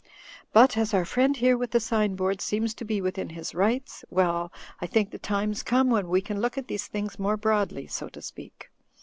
But, as our friend here with the sign board seems to be within his rights, well, I think the time's come when we can look at these things more broadly, so to speak.